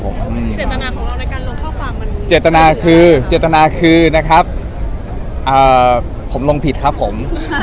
เจตนาของเราในการลงข้อความมันเจตนาคือเจตนาคือนะครับผมลงผิดครับผม